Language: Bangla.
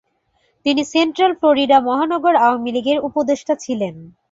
তিনি সেন্ট্রাল ফ্লোরিডা মহানগর আওয়ামী লীগের উপদেষ্টা ছিলেন।